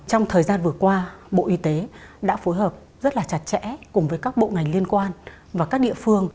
trong thời gian vừa qua bộ y tế đã phối hợp rất là chặt chẽ cùng với các bộ ngành liên quan và các địa phương